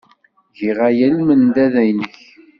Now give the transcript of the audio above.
Giɣ aya i lmendad-nnek.